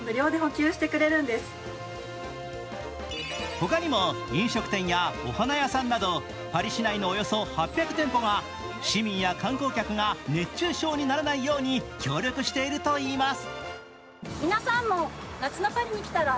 ほかにも飲食店やお花屋さんなどパリ市内のおよそ８００店舗が市民や観光客が熱中症にならないように協力しているといいます。